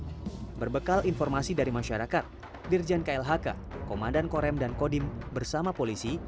setelah mengetahui hal informasi dari masyarakat dirjen klhk komandan korem dan kodim bersama polisi